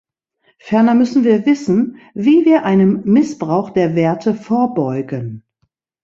Ferner müssen wir wissen, wie wir einem Missbrauch der Werte vorbeugen.